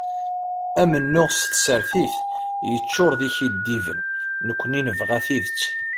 Amennuɣ s tsertit yeččur d ikeddiben, nekkni nebɣa tidet.